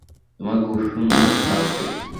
তোমাকে খুব সুন্দর লাগছে।